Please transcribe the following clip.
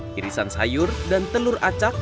kirisan sayur dan telur acak